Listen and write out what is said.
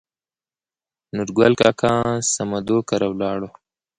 نورګل کاکا سمدو کره ولاړو.